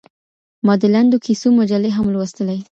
ما د لنډو کيسو مجلې هم لوستلې.